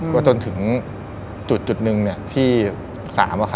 ก็จนถึงจุดหนึ่งที่๓